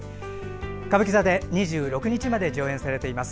歌舞伎座で２６日まで上演されています。